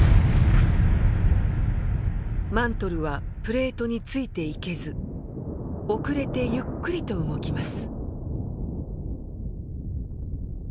マントルはプレートについていけず遅れてゆっくりと動きます。